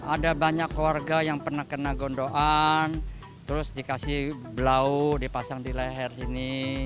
ada banyak warga yang pernah kena gondoan terus dikasih blau dipasang di leher sini